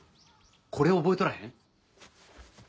これ覚えとらへん？